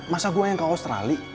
masa gue yang ke australia